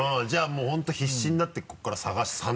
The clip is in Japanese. じゃあもう本当必死になってここから探して。